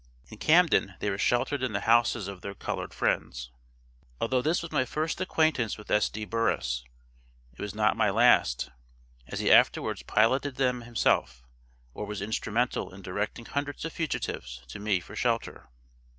In Camden, they were sheltered in the houses of their colored friends. Although this was my first acquaintance with S.D. Burris, it was not my last, as he afterwards piloted them himself, or was instrumental in directing hundreds of fugitives to me for shelter.